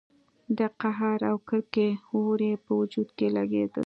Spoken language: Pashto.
د قهر او کرکې اور يې په وجود کې لګېده.